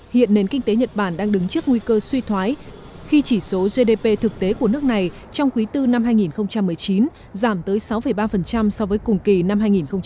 hiện nền kinh tế nhật bản đang đứng trước nguy cơ suy thoái khi chỉ số gdp thực tế của nước này trong quý bốn năm hai nghìn một mươi chín giảm tới sáu ba so với cùng kỳ năm hai nghìn một mươi tám